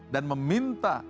dan membuatnya terjadi